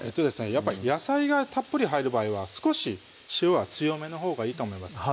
やっぱり野菜がたっぷり入る場合は少し塩は強めのほうがいいと思います